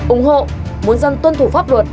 ủng hộ muốn dân tuân thủ pháp luật